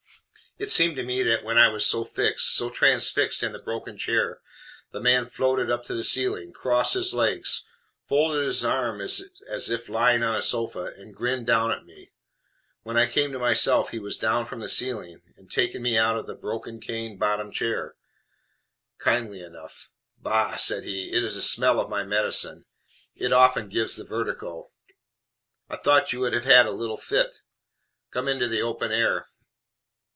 It seemed to me that, when I was so fixed, so transfixed in the broken chair, the man floated up to the ceiling, crossed his legs, folded his arms as if he was lying on a sofa, and grinned down at me. When I came to myself he was down from the ceiling, and, taking me out of the broken cane bottomed chair, kindly enough "Bah!" said he, "it is the smell of my medicine. It often gives the vertigo. I thought you would have had a little fit. Come into the open air."